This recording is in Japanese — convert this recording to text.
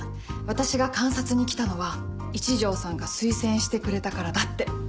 私が監察に来たのは一条さんが推薦してくれたからだって。